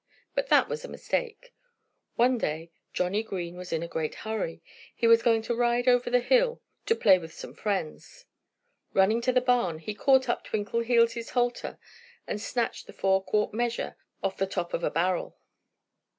But that was a mistake. One day Johnnie Green was in a great hurry. He was going to ride over the hill, to play with some friends. Running to the barn, he caught up Twinkleheels' halter and snatched the four quart measure off the top of a barrel.